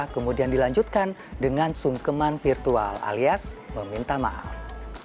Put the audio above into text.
kemudian dilanjutkan dengan sungkeman virtual alias meminta maaf